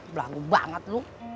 belalu banget loh